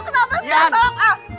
kenapa sih tolong